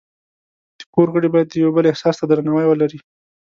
د کور غړي باید د یو بل احساس ته درناوی ولري.